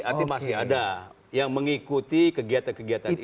berarti masih ada yang mengikuti kegiatan kegiatan itu